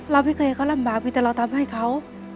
เราไม่เคยเขาลำบากมีแต่เราทำให้เขา